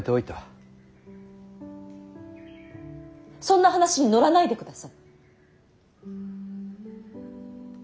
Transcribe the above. そんな話に乗らないでください！